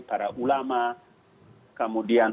para ulama kemudian